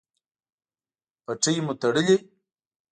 پټۍ مو تړلی؟